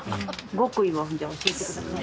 極意をじゃあ教えてください。